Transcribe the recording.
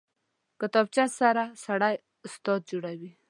کتابچه سره سړی استاد جوړېږي